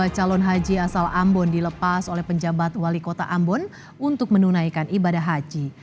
tiga ratus dua puluh dua calon haji asal ambon dilepas oleh penjabat wali kota ambon untuk menunaikan ibadah haji